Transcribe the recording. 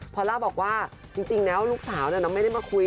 พอล่าบอกว่าจริงแล้วลูกสาวไม่ได้มาคุย